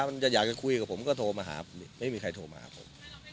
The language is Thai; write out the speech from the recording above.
มันจะอยากจะคุยกับผมก็โทรมาหาไม่มีใครโทรมาหาผม